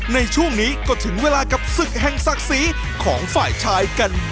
ในช่วงนี้ก็ถึงเวลากับศึกแห่งศักดิ์ศรีของฝ่ายชายกัน